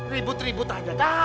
ribut ribut aja kagak ah